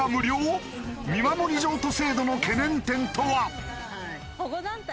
見守り譲渡制度の懸念点とは？